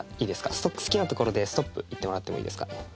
ストップ好きなところで「ストップ」言ってもらってもいいですか？